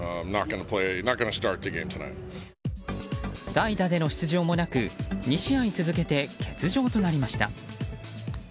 代打での出場もなく２試合続けて欠場となりました。